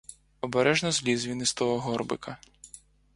Обережно зліз він із того горбика.